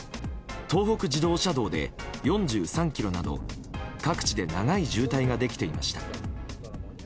東北自動車道で４３ｋｍなど各地で長い渋滞ができていました。